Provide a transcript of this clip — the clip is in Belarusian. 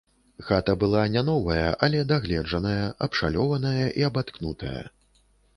Хата была не новая, але дагледжаная, абшалёваная і абаткнутая.